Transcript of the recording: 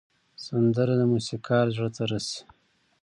سندره د موسیقار زړه ته رسي